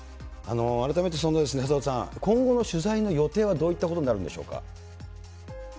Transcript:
改めて、佐藤さん、今後の取材の予定はどういったことになるんでしょうか。